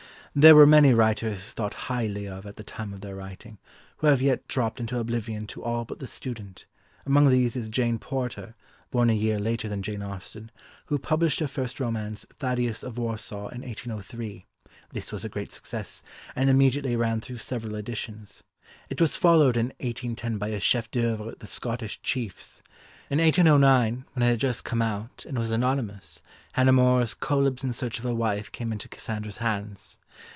] There were many writers thought highly of at the time of their writing, who have yet dropped into oblivion to all but the student; among these is Jane Porter, born a year later than Jane Austen, who published her first romance, Thaddeus of Warsaw, in 1803, this was a great success, and immediately ran through several editions; it was followed in 1810 by her chef d'œuvre The Scottish Chiefs. In 1809, when it had just come out, and was anonymous, Hannah More's Cœlebs in Search of a Wife came into Cassandra's hands.